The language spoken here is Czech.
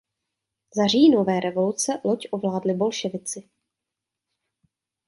Za říjnové revoluce loď ovládli bolševici.